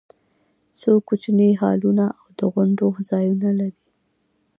څو کوچني هالونه او د غونډو ځایونه لري.